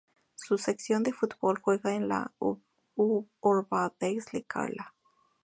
Su sección de fútbol juega en la Úrvalsdeild Karla.